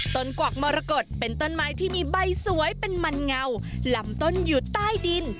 กวักมรกฏเป็นต้นไม้ที่มีใบสวยเป็นมันเงาลำต้นอยู่ใต้ดิน